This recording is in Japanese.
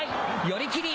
寄り切り。